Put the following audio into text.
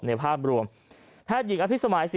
ในภาพรวมแพทย์หญิงอภิษภาษี